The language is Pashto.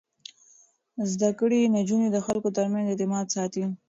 زده کړې نجونې د خلکو ترمنځ اعتماد ساتي.